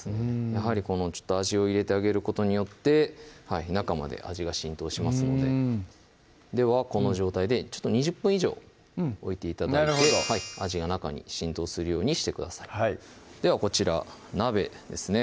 やはり味を入れてあげることによって中まで味が浸透しますのでではこの状態で２０分以上置いて頂いて味が中に浸透するようにしてくださいではこちら鍋ですね